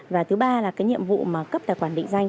và thứ ba là cái nhiệm vụ mà cấp tài khoản định danh